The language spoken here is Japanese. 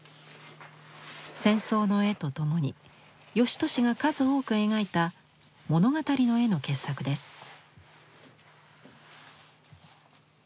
戦争の絵とともに芳年が数多く描いた物語の絵の傑作です。